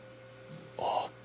ああ。